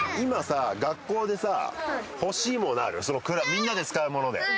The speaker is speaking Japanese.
みんなで使うもので。